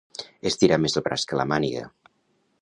Estirar més el braç que la màniga.